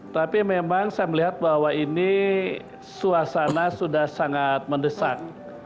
tapi memang saya melihat bahwa ini suasana sudah sangat mendesak